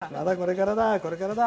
まだ、これからだ。